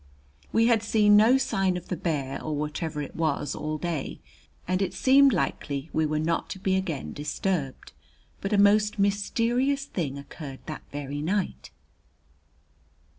We had seen no sign of the bear, or whatever it was, all day, and it seemed likely we were not to be again disturbed. But a most mysterious thing occurred that very night.